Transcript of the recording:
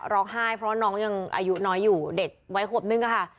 ร้องไห้เพราะว่าน้องยังอายุน้อยอยู่เด็กวัยขวบนึงอะค่ะ